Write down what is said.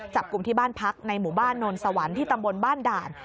จับกลุ่มที่บ้านพักในหมู่บ้านโนนสวรรค์ที่ตำบลบ้านด่าน